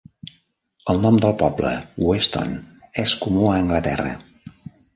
El nom del poble 'Weston' és comú a Anglaterra.